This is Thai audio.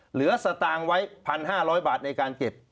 สตางค์ไว้๑๕๐๐บาทในการเก็บ